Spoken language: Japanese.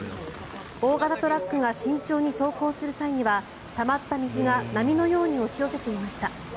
大型トラックが慎重に走行する際にはたまった水が波のように押し寄せていました。